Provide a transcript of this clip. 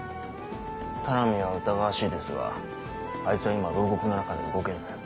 田波は疑わしいですがあいつは今牢獄の中で動けない。